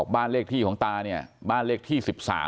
บ้านเลขที่ของตาเนี่ยบ้านเลขที่๑๓